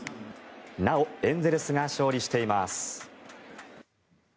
なお、エンゼルスが勝利しています。